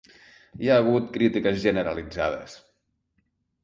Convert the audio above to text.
Hi ha hagut crítiques generalitzades.